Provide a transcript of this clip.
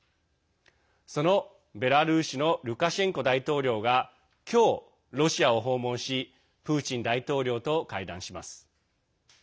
そのベラルーシのルカシェンコ大統領が今日、ロシアを訪問しプーチン大統領と会談します。